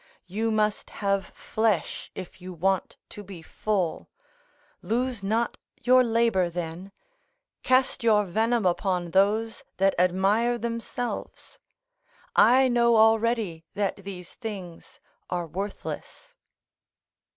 You must have flesh, if you want to be full; lose not your labour then; cast your venom upon those that admire themselves; I know already that these things are worthless."